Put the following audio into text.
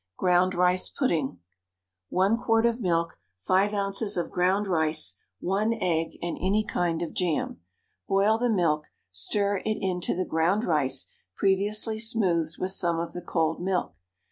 GROUND RICE PUDDING. 1 quart of milk, 5 oz. of ground rice, 1 egg, and any kind of jam. Boil the milk, stir it into the ground rice, previously smoothed with some of the cold milk.